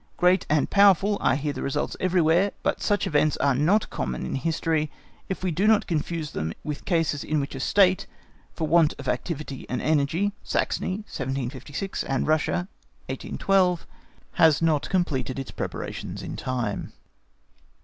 Great and powerful are here the results everywhere, but such events are not common in history if we do not confuse with them cases in which a State, for want of activity and energy (Saxony 1756, and Russia, 1812), has not completed its preparations in time.